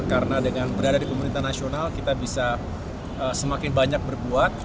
karena dengan berada di pemerintahan nasional kita bisa semakin banyak berbuat